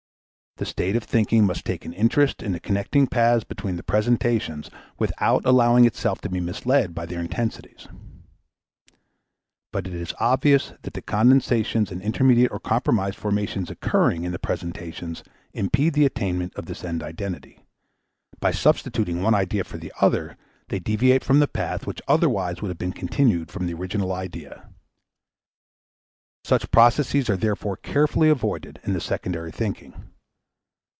The state of thinking must take an interest in the connecting paths between the presentations without allowing itself to be misled by their intensities. But it is obvious that condensations and intermediate or compromise formations occurring in the presentations impede the attainment of this end identity; by substituting one idea for the other they deviate from the path which otherwise would have been continued from the original idea. Such processes are therefore carefully avoided in the secondary thinking.